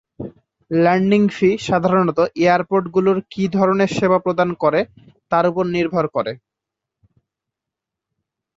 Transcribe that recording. Landing fee সাধারনত airport গুলোর কি ধরনের সেবা প্রদান করে তার উপর নির্ভর করে।